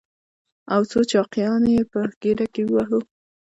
او څو چاقيانې يې په ګېډه کې ووهو.